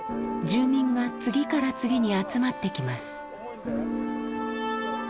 住民が次から次に集まってきます。